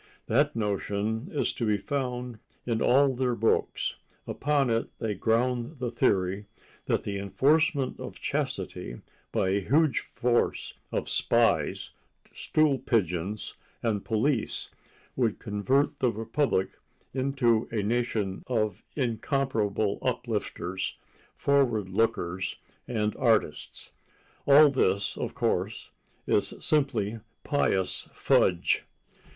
That notion is to be found in all their books; upon it they ground the theory that the enforcement of chastity by a huge force of spies, stool pigeons and police would convert the republic into a nation of incomparable uplifters, forward lookers and artists. All this, of course, is simply pious fudge.